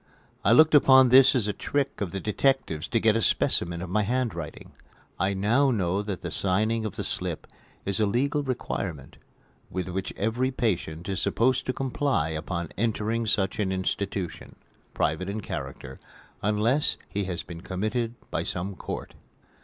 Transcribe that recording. I looked upon this as a trick of the detectives to get a specimen of my handwriting. I now know that the signing of the slip is a legal requirement, with which every patient is supposed to comply upon entering such an institution private in character unless he has been committed by some court.